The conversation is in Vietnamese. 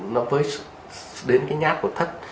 nó với đến cái nhát của thất